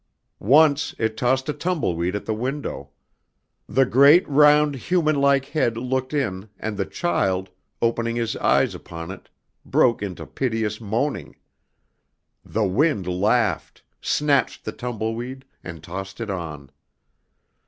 Once it tossed a tumbleweed at the window. The great round human like head looked in and the child, opening his eyes upon it, broke into piteous moaning. The wind laughed, snatched the tumbleweed and tossed it on.